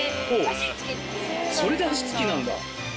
それで「あしつき」なんだ。